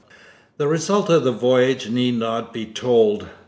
The result of the voyage need not be told.